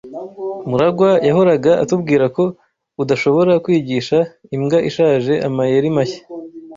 MuragwA yahoraga atubwira ko udashobora kwigisha imbwa ishaje amayeri mashya.